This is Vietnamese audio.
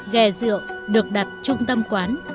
ghe rượu được đặt trung tâm quán